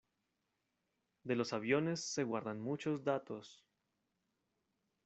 de los aviones se guardan muchos datos.